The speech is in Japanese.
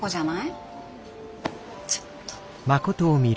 ちょっと。